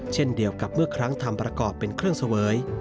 เช่นเดียวกับเมื่อครั้งทำประกอบเป็นเครื่องเสวย